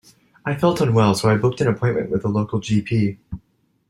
I felt unwell so I booked an appointment with the local G P.